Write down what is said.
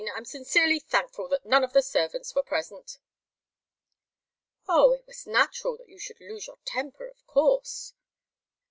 I'm sincerely thankful that none of the servants were present." "Oh it was natural that you should lose your temper, of course!"